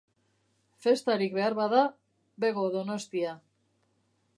Festarik behar bada, bego Donostia.